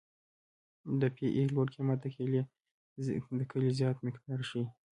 د پی ای لوړ قیمت د کلې زیات مقدار ښیي